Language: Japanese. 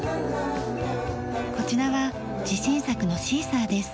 こちらは自信作のシーサーです。